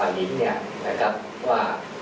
และกับคุณเก่งเนี่ยในเรื่องของรักษัพ